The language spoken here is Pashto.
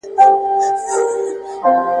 ټولنه ممکن له منځه ولاړه سي.